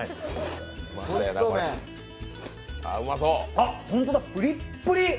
あ、ホントだ、プリップリ。